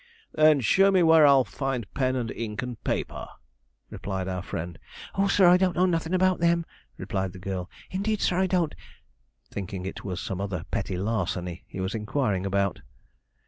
'Then show me where I'll find pen and ink and paper,' replied our friend. 'Oh, sir, I don't know nothin' about them,' replied the girl; 'indeed, sir, I don't'; thinking it was some other petty larceny he was inquiring about.